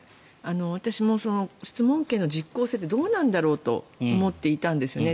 私も質問権の行使の実効性ってどうなんだろうと思っていたんですよね。